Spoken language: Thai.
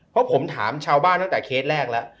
เพราะผมถามชาวบ้านตั้งแต่เคสแรกแล้ว